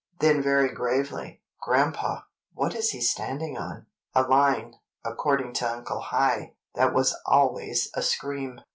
Then very gravely: "Grandpa, what is he standing on?" a line, according to Uncle High, that was "always a scream."